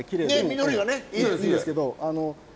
緑がねいいです。